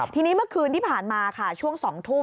ทีนี้เมื่อคืนที่ผ่านมาค่ะช่วง๒ทุ่ม